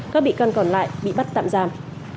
các bị can còn lại bị bắt tạm giam